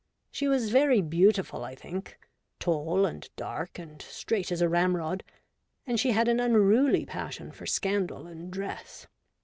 She was very beautiful I think — tall, and dark, and straight as a ram rod — and she had an unruly passion for scandal and dress.